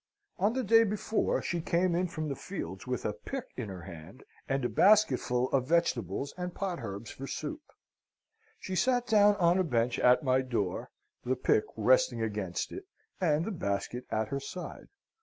On the day before she came in from the fields with a pick in her hand and a basketful of vegetables and potherbs for soup. She sat down on a bench at my door, the pick resting against it, and the basket at her side.